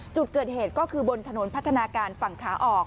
จุดเกิดเหตุก็คือบนถนนพัฒนาการฝั่งขาออก